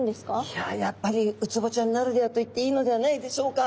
いややっぱりウツボちゃんならではと言っていいのではないでしょうか。